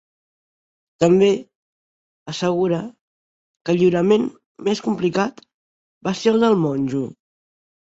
També assegura que el lliurament més complicat va ser el del monjo.